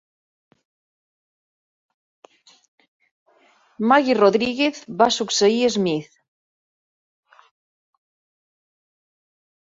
Maggie Rodriguez va succeir Smith.